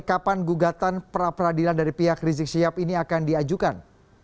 kapan gugatan pra peradilan dari pihak rizik sihab ini akan diajukan